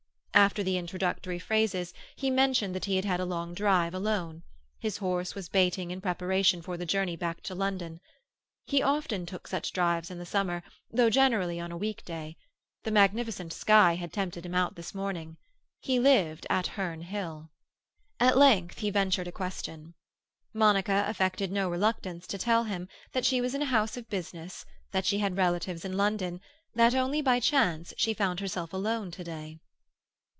After the introductory phrases, he mentioned that he had had a long drive, alone; his horse was baiting in preparation for the journey back to London. He often took such drives in the summer, though generally on a weekday; the magnificent sky had tempted him out this morning. He lived at Herne Hill. At length he ventured a question. Monica affected no reluctance to tell him that she was in a house of business, that she had relatives in London, that only by chance she found herself alone to day.